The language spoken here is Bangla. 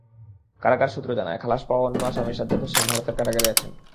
কারাগার সূত্র জানায়, খালাস পাওয়া অন্য আসামি সাজ্জাদ হোসেন ভারতের কারাগারে আছেন।